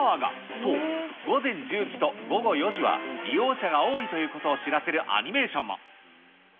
と、午前１０時と午後４時は利用者が多いということを知らせるアニメーションも。